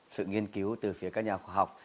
sự nghiên cứu từ phía các nhà khoa học